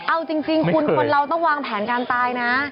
เอาจริงคุณคนเราต้องวางแผนการตายนะ